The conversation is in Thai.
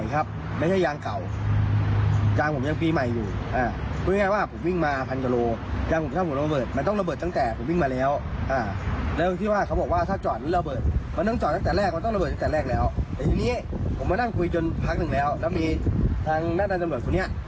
ค่ะแล้วมันถึงระเบิดได้ยังไง